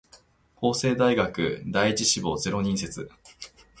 法政大学第一志望ゼロ人説